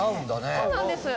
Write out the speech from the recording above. そうなんです。